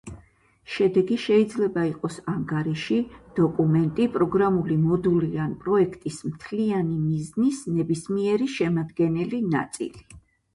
შედეგი შეიძლება იყოს ანგარიში, დოკუმენტი, პროგრამული მოდული ან პროექტის მთლიანი მიზნის ნებისმიერი შემადგენელი ნაწილი.